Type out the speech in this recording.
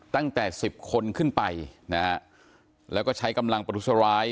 ตั้งแต่สิบคนขึ้นไปนะฮะแล้วก็ใช้กำลังประทุษร้าย